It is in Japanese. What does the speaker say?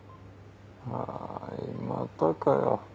あまたかよ。